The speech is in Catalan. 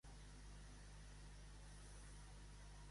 Els dolents, per ells fan els mals, i, el bé, pels escrivans.